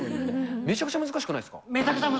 めちゃくちゃ難しいです。